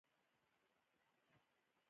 تعلیم د نجونو فکري تمرکز زیاتوي.